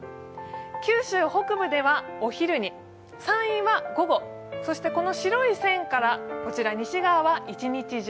九州北部ではお昼に、山陰は午後、そしてこの白い線からこちら西側は一日中